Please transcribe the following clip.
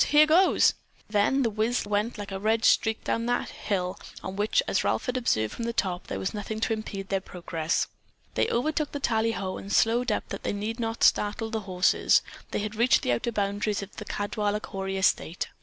Here goes!" Then The Whizz went like a red streak down that hill on which, as Ralph had observed from the top, there was nothing to impede their progress. They overtook the tallyho and slowed up that they need not startle the horses. They had reached the outer boundaries of the Caldwaller Cory estate.